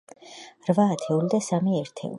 რვა ათეული და სამი ერთეული.